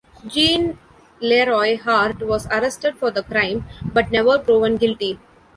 Gene Leroy Hart was arrested for the crime, but never proven guilty.